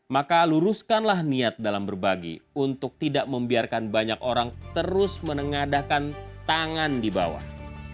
maka luruskanlah niat dalam berbagi untuk tidak membiarkan banyak orang terus menengadakan tangan di bawah